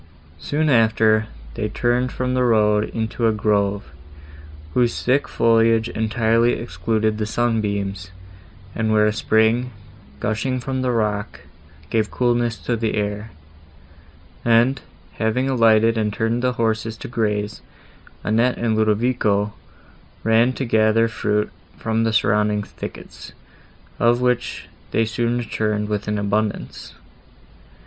Soon after, they turned from the road into a grove, whose thick foliage entirely excluded the sunbeams, and where a spring, gushing from the rock, gave coolness to the air; and, having alighted and turned the horses to graze, Annette and Ludovico ran to gather fruit from the surrounding thickets, of which they soon returned with an abundance.